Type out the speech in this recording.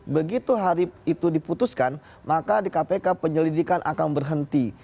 begitu hari itu diputuskan maka di kpk penyelidikan akan berhenti